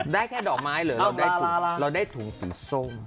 ได้แค่ดอกไม้เหลือเราได้ถุงสีส้ม